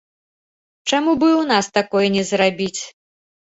Чаму б і ў нас такое не зрабіць?